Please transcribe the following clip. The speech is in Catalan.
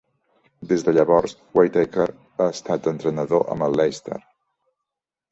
Des de llavors, Whitaker ha estat entrenador amb el Leinster.